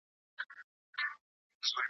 خپل تصمیم یې ښکاره اعلان کړ